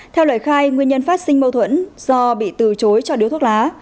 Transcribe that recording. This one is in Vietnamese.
theo lời khai nguyên nhân phát sinh mâu thuẫn do bị từ chối cho điếu thuốc lá